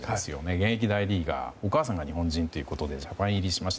現役リーガーお母さんが日本人ということでジャパン入りしました。